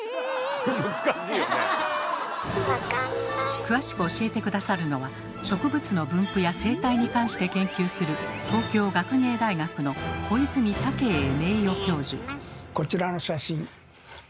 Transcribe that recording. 詳しく教えて下さるのは植物の分布や生態に関して研究するこちらの写真。